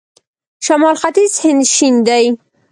شمال ختیځ هند شین دی.